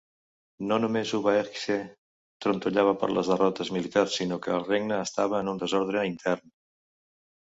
No només Hubaekje trontollava per les derrotes militars, sinó que el regne estava en un desordre intern.